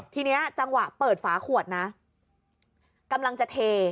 ทีนี้จังหวะเปิดฝาขวดนะกำลังจะเท